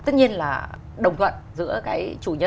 tất nhiên là đồng thuận giữa